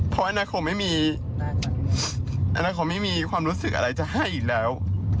เพราะอนาคมไม่มีความรู้สึกอะไรจะให้อีกแล้ว